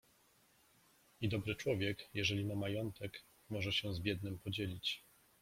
I dobry człowiek, jeżeli ma majątek, może się z biednym podzielić.